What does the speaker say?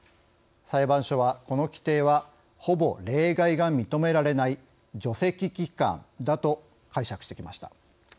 裁判所は、この規定はほぼ例外が認められない除斥期間だと解釈してきました。